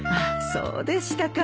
そうでしたか。